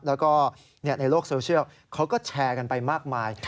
แล้วก็ในโลกโซเชียลเขาก็แชร์กันไปมากมาย